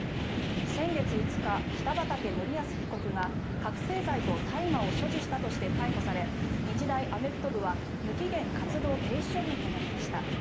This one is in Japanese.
先月５日、北畠成文被告が覚醒剤と大麻を所持したとして逮捕され、日大アメフト部は無期限活動停止処分となりました。